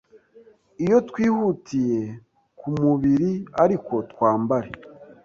Iyo twihutiye kumubiri ariko twambare